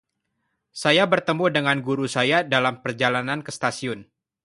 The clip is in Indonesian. Saya bertemu dengan guru saya dalam perjalanan ke stasiun.